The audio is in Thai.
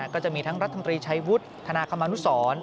ก็จะมีทั้งรัฐมนตรีชัยวุฒิธนาคมนุสร